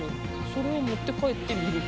それを持って帰って見る。